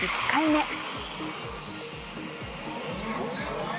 １回目。